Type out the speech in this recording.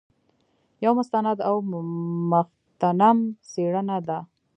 یو مستند او مغتنم څېړنه ده.